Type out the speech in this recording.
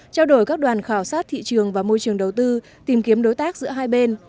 trao đổi các đoàn khảo sát thị trường và môi trường đầu tư tìm kiếm đối tác giữa hai bên